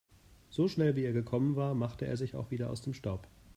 So schnell, wie er gekommen war, machte er sich auch wieder aus dem Staub.